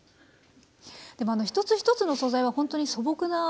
でもあの一つ一つの素材はほんとに素朴なもの